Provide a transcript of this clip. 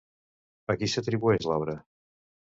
A qui s'atribueix l'obra?